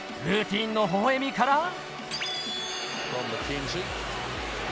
ルーティンの微笑みから。